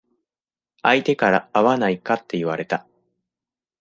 相手から会わないかって言われた。